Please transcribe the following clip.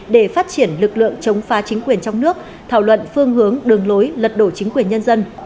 để phát triển lực lượng chống phá chính quyền trong nước thảo luận phương hướng đường lối lật đổ chính quyền nhân dân